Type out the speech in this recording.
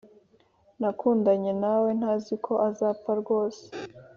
nakundanye nawe ntaziko azapfa rwose